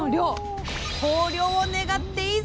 豊漁を願っていざ